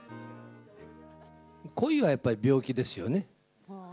恋はやっぱり病気ですよね。